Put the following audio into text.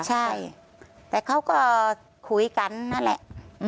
ใช่แต่เขาก็คุยกันนั่นแหละ